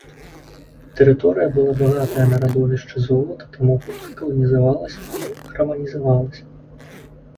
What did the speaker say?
Тэрыторыя была багатая на радовішчы золата, таму хутка каланізавалася і раманізавалася.